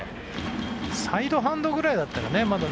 サイドハンドくらいだったらね。